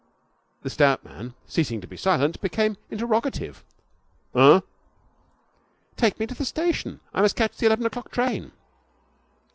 The stout man, ceasing to be silent, became interrogative. 'Uh?' 'Take me to the station. I must catch the eleven o'clock train.'